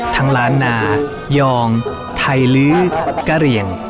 ทั้งล้านนายองไทยลื้อกะเรียง